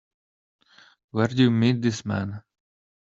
Where'd you meet this man?